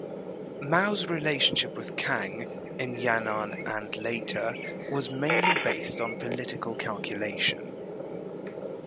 Mao's relationship with Kang, in Yan'an and later, was mainly based on political calculation.